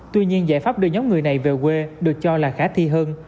tuy nhiên giải pháp đưa nhóm người này về quê được cho là khả thi hơn